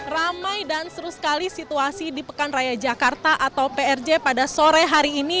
ramai dan seru sekali situasi di pekan raya jakarta atau prj pada sore hari ini